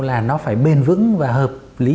là nó phải bền vững và hợp lý